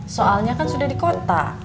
soalnya kan sudah di kota